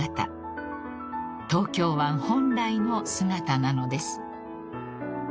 ［東京湾本来の姿なのです］